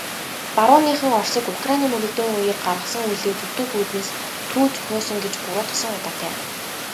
Барууныхан Оросыг Украины мөргөлдөөний үеэр гаргасан үйлдлээ зөвтгөх үүднээс түүх зохиосон гэж буруутгасан удаатай.